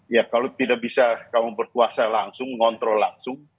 ya kalau tidak bisa kamu berkuasa langsung ngontrol langsung